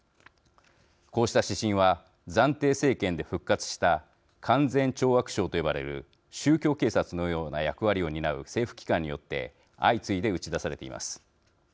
こうした指針は暫定政権で復活した勧善懲悪省と呼ばれる宗教警察のような役割を担う政府機関によって相次いで打ち出されています。